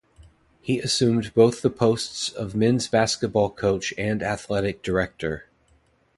He assumed both the posts of men's basketball coach and athletic director.